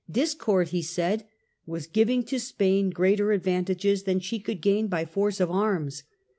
Discord, he said, was giving to Spain greater advantages than she could gain by force of arms.